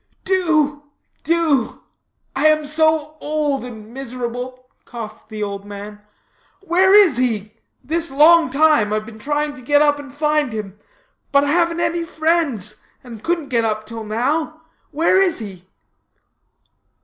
"Do, do; I am so old and miserable," coughed the old man. "Where is he? This long time I've been trying to get up and find him. But I haven't any friends, and couldn't get up till now. Where is he?"